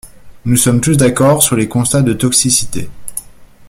Nous sommes tous d’accord sur les constats de toxicité.